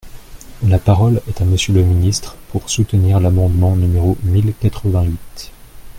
La parole est à Monsieur le ministre, pour soutenir l’amendement numéro mille quatre-vingt-huit.